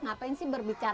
ngapain sih berbicara